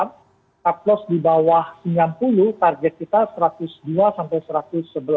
taktos di bawah rp sembilan puluh target kita rp satu ratus dua sampai rp satu ratus sebelas